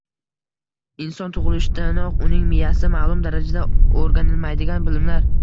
Inson tug’ilishidanoq uning miyasida ma’lum darajada o’rganilmaydigan bilimlar